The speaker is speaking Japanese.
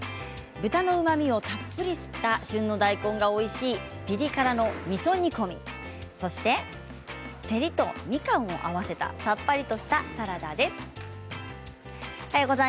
豚のうまみをたっぷり吸った旬の大根がおいしいピリ辛のみそ煮込みそしてせりとみかんを合わせたさっぱりとしたサラダです。